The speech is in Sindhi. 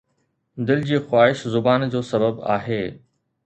دل جي خواهش زبان جو سبب آهي